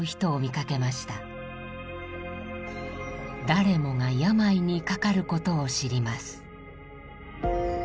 誰もが病にかかることを知ります。